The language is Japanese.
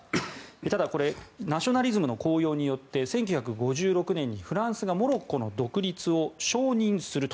ただ、これナショナリズムの高揚によって１９５６年にフランスがモロッコの独立を承認すると。